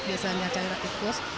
biasanya cairan tikus